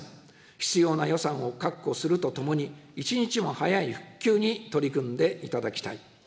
必要な予算を確保するとともに、一日も早い復旧に取り組んでいただきたい。